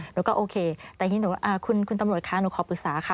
โอเคแต่ทีนี้หนูว่าคุณตำรวจคะหนูขอปรึกษาค่ะ